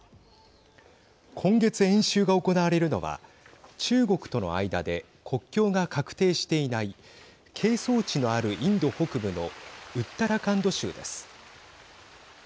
今月、演習が行われるのは中国との間で国境が確定していない係争地のあるインド北部のウッタラカンド州です。